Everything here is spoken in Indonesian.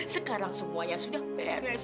sekarang semuanya sudah beres